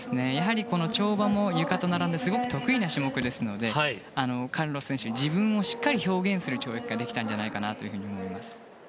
跳馬もゆかと並んで得意な種目ですのでカルロス選手、自分をしっかり表現する跳躍ができたんじゃないかなと思います。